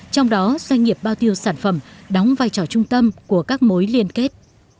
trong đó doanh nghiệp bao tiêu sản phẩm đóng vai trò trung tâm của các mối liên kết